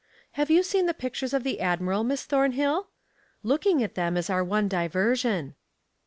"Have you seen the pictures of the admiral, Miss Thornhill? Looking at them is our one diversion."